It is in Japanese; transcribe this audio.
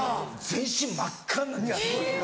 全身真っ赤に。